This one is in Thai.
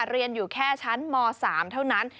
เรียนอยู่แค่ชั้นม๓เท่านั้น